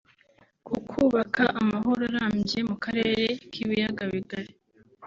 ku kubaka amahoro arambye mu Karere k’Ibiyaga bigari